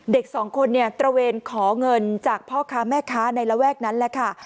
เด็กสองคนเนี่ยตระเวนขอเงินจากพ่อค้าแม่ค้าในระแวกนั้นแหละค่ะ